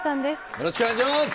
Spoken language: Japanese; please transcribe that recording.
よろしくお願いします。